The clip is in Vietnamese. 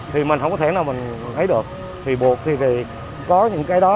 thì mình không có thể nào mình thấy được thì buộc thì có những cái đó